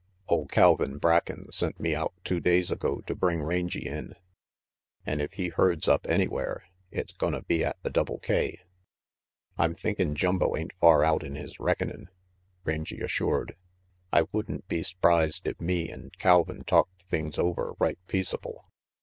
Ole Calvin Bracken sent me out two days ago to bring Rangy in, an' if he herds up anywhere, it's gonna be at the Double K." " I'm thinkin' Jumbo ain't far out in his reckonin'," Rangy assured. "I would'n be s'prised if me an' Calvin talked things over right peaceable."